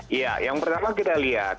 iya yang pertama kita lihat